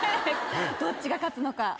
どっちが勝つのか。